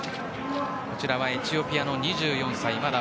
こちらはエチオピアの２４歳です。